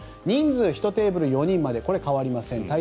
人数１テーブル４人までこれは変わりません。